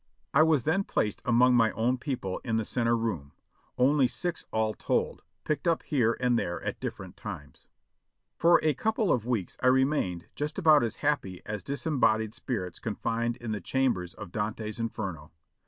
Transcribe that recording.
I was then placed among my own people in the center room, only six all told, picked up here and there at dift'erent times. For a couple of weeks I remained just about as happy as dis embodied spirits confined in the chambers of Dante's "Inferno."